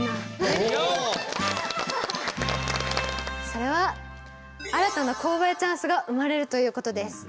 それは新たな購買チャンスが生まれるということです。